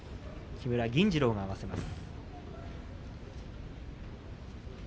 木村銀治郎が合わせます。